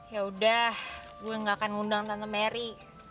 yaudah gue nggak akan ngundang tante merry